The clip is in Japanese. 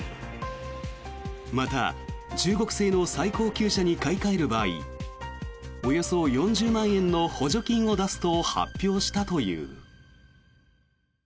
また、中国製の最高級車に買い替える場合およそ４０万円の補助金を出すと発表したという。